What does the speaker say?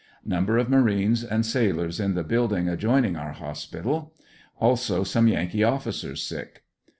Number of marines and sailors in the build ing adjoining our hospital; also some Yankee officers sick.